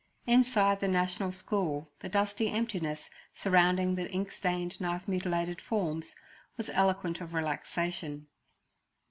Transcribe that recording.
Inside the National School the dusty emptiness, surrounding the ink stained, knife mutilated forms, was eloquent of relaxation.